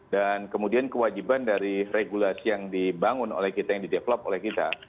dan kemudian kewajiban dari regulasi yang dibangun oleh kita yang didevelop oleh kita